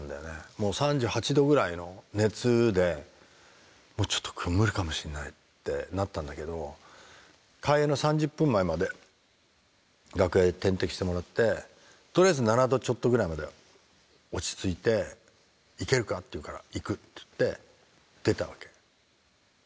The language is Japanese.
もう３８度ぐらいの熱でちょっとこれ無理かもしれないってなったんだけど開演の３０分前まで楽屋で点滴してもらってとりあえず７度ちょっとぐらいまでは落ち着いて「いけるか？」って言うから「いく」って言って出たわけ。